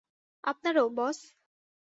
আপনারও, বস!